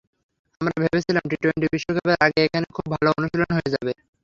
আমরা ভেবেছিলাম, টি-টোয়েন্টি বিশ্বকাপের আগে এখানে খুব ভালো অনুশীলন হয়ে যাবে।